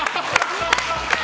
見たい！